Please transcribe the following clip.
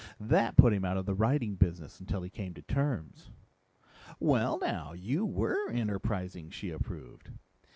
That put him out of the writing business until he came to terms." "Well, now. You were enterprising!" she approved.